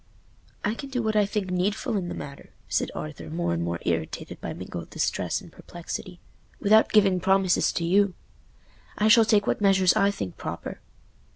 "I can do what I think needful in the matter," said Arthur, more and more irritated by mingled distress and perplexity, "without giving promises to you. I shall take what measures I think proper."